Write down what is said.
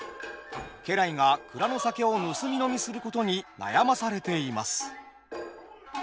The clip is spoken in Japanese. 家来が蔵の酒を盗み飲みすることに悩まされています。